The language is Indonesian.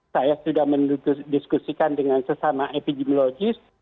saya sudah mendiskusikan dengan sesama epidemiologis